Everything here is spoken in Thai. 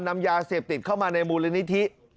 นำยาเสพติดเข้ามาในมูลนิธิ